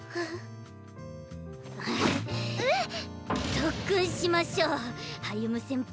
⁉特訓しましょう歩夢先輩。